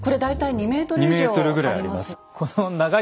２ｍぐらいあります。